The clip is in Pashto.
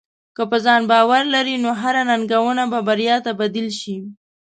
که په ځان باور لرې، نو هره ننګونه به بریا ته بدل شې.